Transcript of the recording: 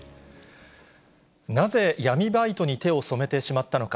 なぜ闇バイトに手を染めてしまったのか。